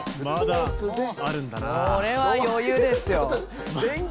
まだあるんだな。